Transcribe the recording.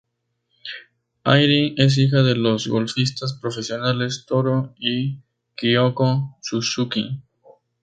Airi es hija de los golfistas profesionales Toru y Kyoko Suzuki.